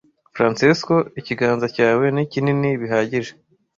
Francesco, ikiganza cyawe ni kinini bihagije